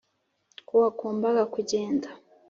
ko wagombaga kugenda.